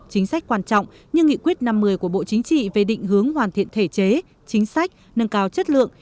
chính sách quan trọng như nghị quyết năm một mươi của bộ chính trị về định hướng hoàn thiện thể chế chính sách nâng cao chất lượng